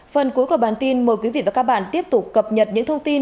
phần cuối của bản tin mời quý vị và các bạn tiếp tục cập nhật những thông tin